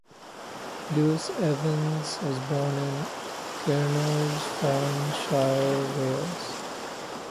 Lewis Evans was born in Caernarfonshire, Wales.